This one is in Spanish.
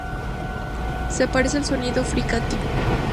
Se parece al sonido fricativo.